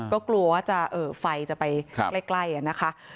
ก็กลัวว่าไฟจะไปใกล้นะคะ